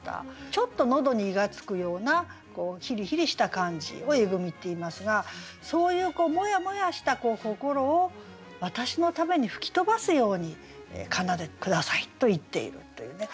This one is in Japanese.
ちょっと喉にイガつくようなヒリヒリした感じをえぐみっていいますがそういうモヤモヤした心を私のために吹き飛ばすように奏でて下さいと言っているというね。